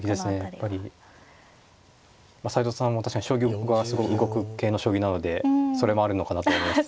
やっぱり斎藤さんは確かに将棋がすごく動く系の将棋なのでそれもあるのかなと思います。